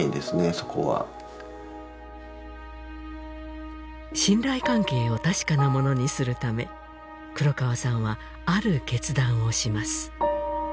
そこは信頼関係を確かなものにするため黒川さんはある決断をします